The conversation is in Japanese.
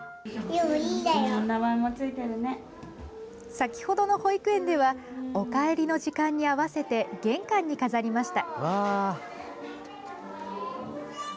先ほどの保育園ではお帰りの時間に合わせて玄関に飾りました。